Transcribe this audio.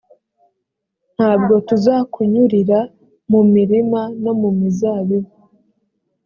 nta bwo tuzakunyurira mu mirima no mu mizabibu.